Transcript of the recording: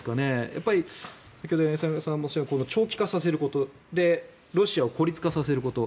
やっぱり先ほど柳澤さんもおっしゃった長期化させることロシアを孤立化させること。